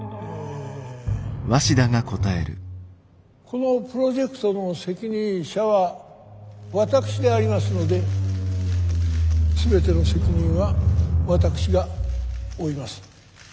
このプロジェクトの責任者は私でありますので全ての責任は私が負います。